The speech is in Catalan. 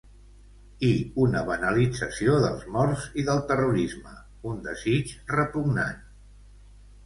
I ‘una banalització dels morts i del terrorisme, un desig repugnant’.